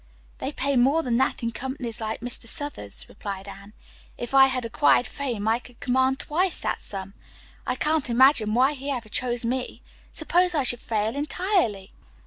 "They pay more than that in companies like Mr. Southard's," replied Anne. "If I had acquired fame I could command twice that sum. I can't imagine why he ever chose me. Suppose I should fail entirely."